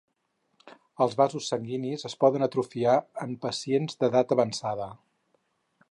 Els vasos sanguinis es poden atrofiar en pacients d'edat avançada.